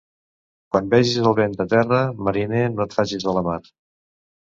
Quan vegis el vent de terra, mariner no et facis a la mar.